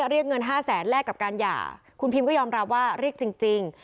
เรียกเงินห้าแสนแลกกับการหย่าคุณพิมก็ยอมรับว่าเรียกจริง